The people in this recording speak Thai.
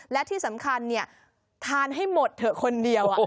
และที่สำคัญทานให้หมดเถอะคนเดียว